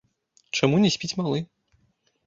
Чаму не спіць малы?